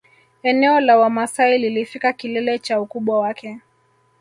Eneo la Wamasai lilifika kilele cha ukubwa wake